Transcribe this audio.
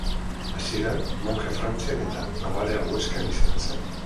Hasieran monje Frantzian eta abadea Huescan izan zen.